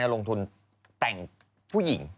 ลงทุนแต่งผู้หญิง